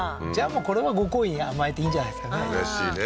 もうこれはご厚意に甘えていいんじゃないですかね